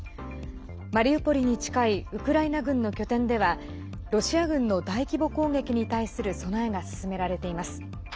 マリウポリに近いウクライナ軍の拠点ではロシア軍の大規模攻撃に対する備えが進められています。